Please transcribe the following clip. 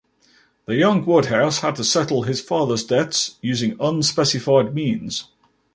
The young Woodhouse had to settle his father's debts using unspecified means.